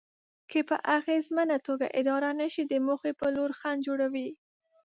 که په اغېزمنه توګه اداره نشي د موخې په لور خنډ جوړوي.